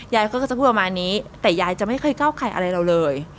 ยายก็จะพูดประมาณนี้แต่ยายจะไม่เคยก้าวไก่อะไรเราเลย